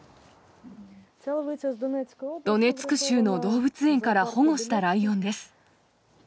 ドネツク州の動物園から保護したライオンです。